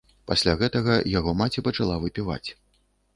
Пасля гэтага яго маці пачала выпіваць.